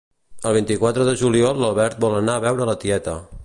El vint-i-quatre de juliol l'Albert vol anar a veure la tieta